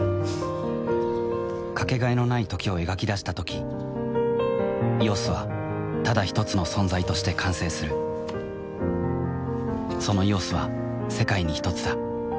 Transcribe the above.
かけがえのない「時」を描き出したとき「ＥＯＳ」はただひとつの存在として完成するその「ＥＯＳ」は世界にひとつだ